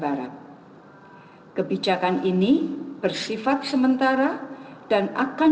bagimana perjalanan anda melakukan perjalanan